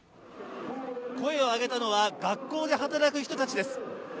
声を上げたのは学校で働く人たちです。